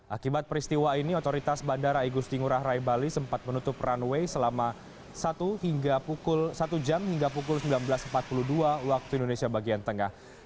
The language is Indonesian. akibat peristiwa ini otoritas bandara igusti ngurah rai bali sempat menutup runway selama satu hingga pukul satu jam hingga pukul sembilan belas empat puluh dua waktu indonesia bagian tengah